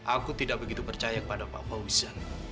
aku tidak begitu percaya kepada bapak wisan